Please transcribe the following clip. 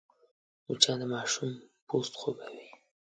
مچان د ماشوم پوست خوږوي